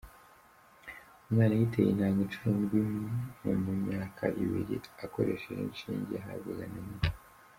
Umwana yiteye intanga inshuro ndwi mu myaka ibiri akoresheje inshinge yahabwaga na nyina.